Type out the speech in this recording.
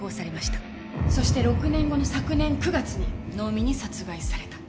そして６年後の昨年９月に能見に殺害された。